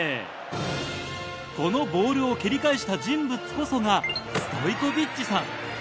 このボールを蹴り返した人物こそがストイコビッチさん。